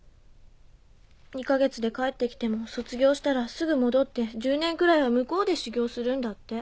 ２か月で帰って来ても卒業したらすぐ戻って１０年くらいは向こうで修業するんだって。